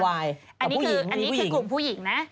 อันนี้คือกลุ่มผู้หญิงนะ